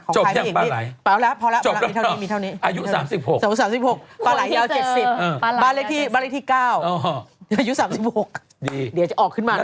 จบแผงปลาไหลมีเท่านี้พอแล้วพอแล้วอายุ๓๖บาลายายาว๗๐บาลายที่๙อายุ๓๖ไอก็ออกขึ้นมานะ